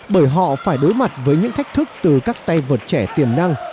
bởi họ phải đối mặt với những thách thức từ các tay vợt trẻ tiềm năng